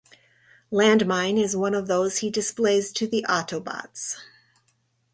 Landmine is one of those he displays to the Autobots.